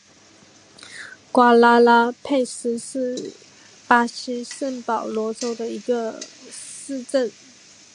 瓜拉拉佩斯是巴西圣保罗州的一个市镇。